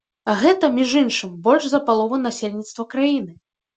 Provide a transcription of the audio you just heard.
А гэта, між іншым, больш за палову насельніцтва краіны.